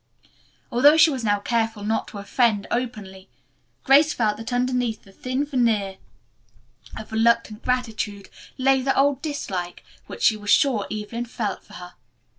Although she was now careful not to offend openly, Grace felt that underneath the thin veneer of reluctant gratitude lay the old dislike which she was sure Evelyn felt for her.